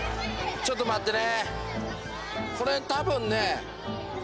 ちょっと待ってや。